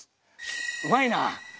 うまいな！